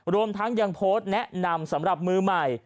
รวมทั้งยังโพสต์แนะนำสำหรับมือใหม่